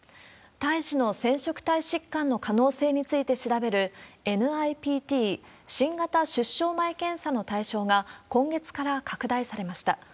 胎児の染色体疾患の可能性について調べる、ＮＩＰＴ・新型出生前検査の対象が、今月から拡大されました。